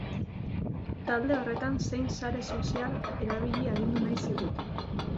Talde horretan zein sare sozial erabili agindu nahi ziguten.